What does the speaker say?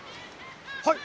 はい。